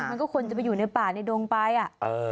มันก็ควรจะไปอยู่ในป่าในดงไปอ่ะ